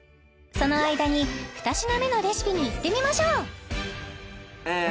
その間に２品目のレシピにいってみましょう！